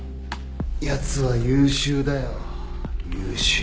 やつは優秀だよ。優秀。